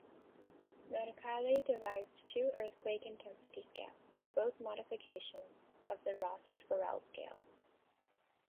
Mercalli devised two earthquake intensity scales, both modifications of the Rossi-Forel scale.